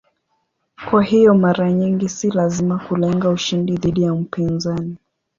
Kwa hiyo mara nyingi si lazima kulenga ushindi dhidi ya mpinzani.